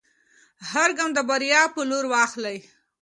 هر ګام د بریا په لور واخلئ.